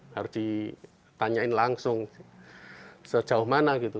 harus ditanyain langsung sejauh mana gitu